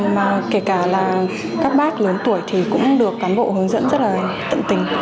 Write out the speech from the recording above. mà kể cả là các bác lớn tuổi thì cũng được cán bộ hướng dẫn rất là tận tình